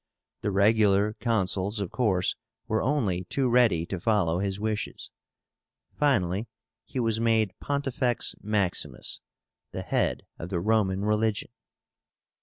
The regular Consuls, of course, were only too ready to follow his wishes. Finally, he was made Pontifex Maximus, the head of the Roman religion.